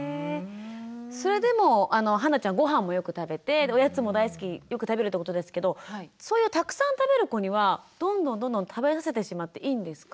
それでもはんなちゃんごはんもよく食べておやつも大好きよく食べるってことですけどそういうたくさん食べる子にはどんどんどんどん食べさせてしまっていいんですか？